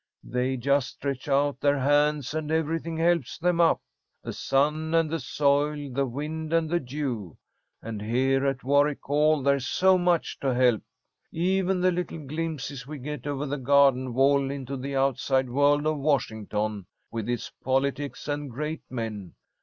They just stretch out their hands and everything helps them up, the sun and the soil, the wind and the dew. And here at Warwick Hall there's so much to help. Even the little glimpses we get over the garden wall into the outside world of Washington, with its politics and great men.